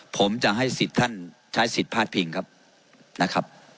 ผมจะให้สิทธิ์ท่านใช้สิทธิ์พาดพิงครับนะครับ